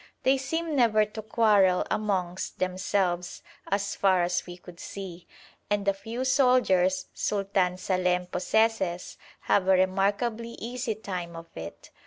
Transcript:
They seem never to quarrel amongst themselves, as far as we could see, and the few soldiers Sultan Salem possesses have a remarkably easy time of it.